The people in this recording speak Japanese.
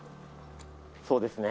そうですね。